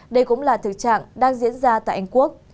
đây cũng là thực trạng đang diễn ra tại anh quốc